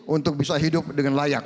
untuk bisa hidup dengan layak